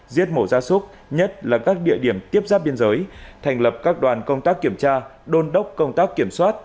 giết mổ ra súc nhất là các địa điểm tiếp giáp biên giới thành lập các đoàn công tác kiểm tra đôn đốc công tác kiểm soát